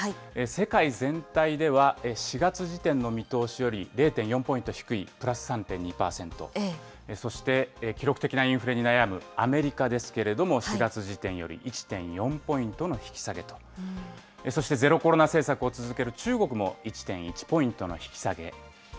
世界全体では４月時点の見通しより０．４ポイント低いプラス３．２％、そして、記録的なインフレに悩むアメリカですけれども、４月時点より１．４ポイントの引き下げと、そしてゼロコロナ政策を続ける中国も１．１ポイントの引き下げ。